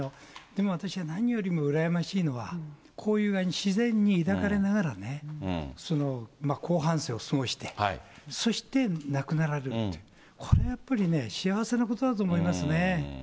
でも私は何よりも羨ましいのは、こういう自然に抱かれながらね、後半生を過ごして、そして亡くなられるっていう、これやっぱりね、幸せなことだと思いますね。